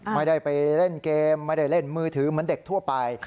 ไม่ได้ไปเล่นเกมไม่ได้เล่นมือถือเหมือนเด็กทั่วไป